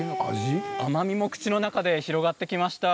甘みも口の中で広がっていきました。